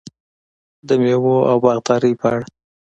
د میوو او باغدارۍ په اړه: